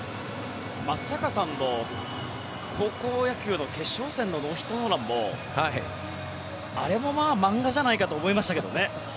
松坂さんの高校野球の決勝戦のノーヒット・ノーランもあれも漫画じゃないかと思いましたけどね。